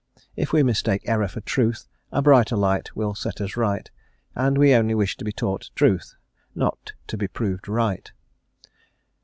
If we mistake error for truth a brighter light will set us right, and we only wish to be taught truth, not to be proved right.